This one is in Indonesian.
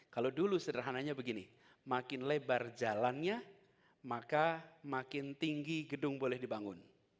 kalau dulu sederhananya begini makin lebar jalannya maka makin tinggi gedung boleh dibangun